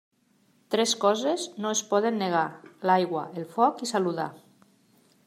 Tres coses no es poden negar: l'aigua, el foc i saludar.